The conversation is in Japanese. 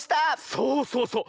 そうそうそう。